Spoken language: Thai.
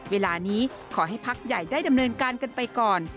เวลานี้ขอให้พักใหญ่ได้ดำเนินการกันไปก่อน